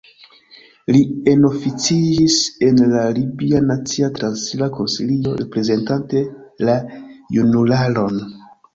Li enoficiĝis en la libia Nacia Transira Konsilio reprezentante la junularon.